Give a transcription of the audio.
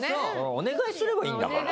お願いすればいいんだから。